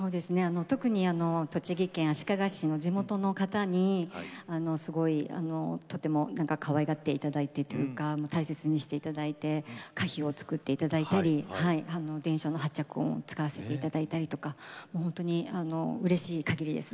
特に栃木県足利市の地元の方にすごいあのとても何かかわいがって頂いてる大切にして頂いて歌碑を造って頂いたり電車の発着音使わせて頂いたりとかほんとにうれしいかぎりですね。